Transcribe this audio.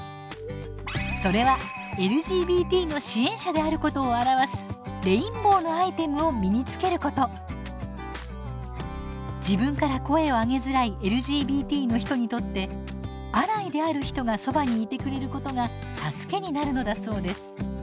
それはＬＧＢＴの支援者であることを表す自分から声をあげづらいＬＧＢＴの人にとってアライである人がそばにいてくれることが助けになるのだそうです。